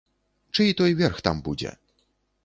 Чый той верх там будзе?